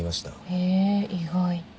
へぇ意外。